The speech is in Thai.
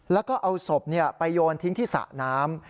แล้วก็เอาศพไปโยนทิ้งที่สระน้ำ